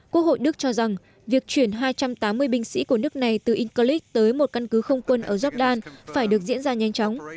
quốc hội đức cho rằng việc chuyển hai trăm tám mươi binh sĩ của nước này từ incleak tới một căn cứ không quân ở jordan phải được diễn ra nhanh chóng